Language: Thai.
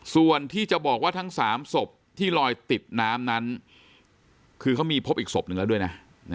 ส่วนที่จะบอกว่าทั้ง๓ศพที่ลอยติดน้ำนั้นคือเขามีพบอีกศพหนึ่งแล้วด้วยนะ